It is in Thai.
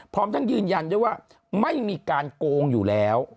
พร้อมทั้งยืนยันด้วยว่าไม่มีการโกงอยู่แล้ว